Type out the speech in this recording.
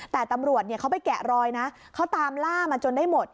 แต่ตำรวจเขาไปแกะรอยนะเขาตามล่ามาจนได้หมด